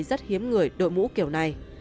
rất hiếm người đội mũ kiểu này